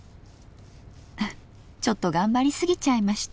ちょっと頑張りすぎちゃいました。